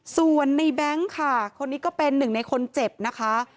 ส่วนในแบงค์ค่ะคนนี้ก็เป็นหนึ่งในคนเจ็บนะคะ